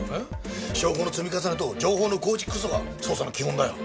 証拠の積み重ねと情報の構築こそが捜査の基本だよ。